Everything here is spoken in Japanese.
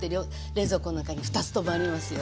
冷蔵庫の中に２つともありますよ。